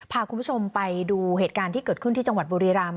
พาคุณผู้ชมไปดูเหตุการณ์ที่เกิดขึ้นที่จังหวัดบุรีรำ